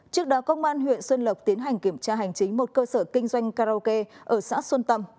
trước đó công an huyện xuân lộc tiến hành kiểm tra hành chính một cơ sở kinh doanh karaoke ở xã xuân tâm